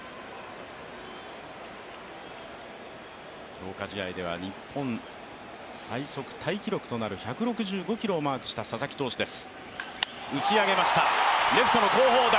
強化試合では日本最速タイ記録となる１６５キロをマークした佐々木投手です。